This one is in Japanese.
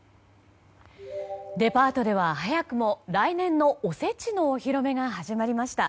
デパートでは早くも来年のおせちのお披露目が始まりました。